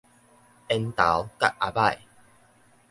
緣投佮阿䆀